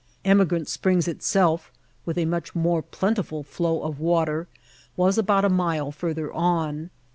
Emigrant Springs itself, with a much more plentiful flow of water, was about a mile further on.